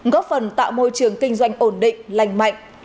góp phần tạo môi trường kinh doanh ổn định lành mạnh